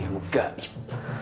dia mau gaib